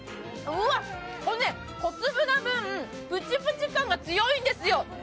これね、小粒な分、プチプチ感がすごいんですよ。